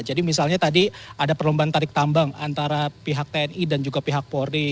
jadi misalnya tadi ada perlombaan tarik tambang antara pihak tni dan juga pihak pori